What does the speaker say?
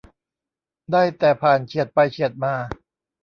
ได้แต่ผ่านเฉียดไปเฉียดมา